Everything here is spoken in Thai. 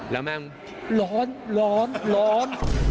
แล้วแม่งร้อนร้อนร้อนร้อน